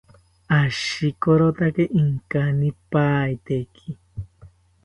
Ashikorotake inkanipaiteki